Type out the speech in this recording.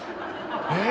えっ！？